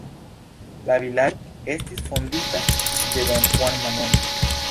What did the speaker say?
La vilaĝo estis fondita de Don Juan Manuel.